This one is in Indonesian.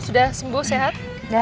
sudah sembuh sehat